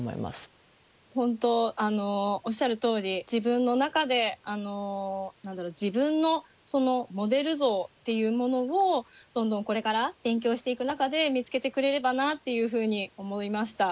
本当おっしゃるとおり自分の中で自分のモデル像っていうものをどんどんこれから勉強していく中で見つけてくれればなっていうふうに思いました。